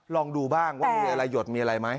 ลองดูบ้างว่ามีอะไรหยดมีอะไรไหม